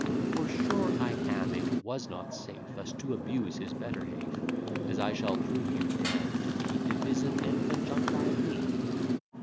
For sure I am it was not safe Thus to abuse his better half, As I shall prove you, Dan, to be, Divisim and conjunctively.